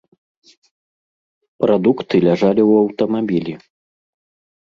Прадукты ляжалі ў аўтамабілі.